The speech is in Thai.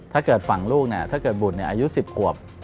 ถ้าเกิดฝั่งลูกเนี่ยถ้าเกิดบุตรอายุ๑๐ขวบ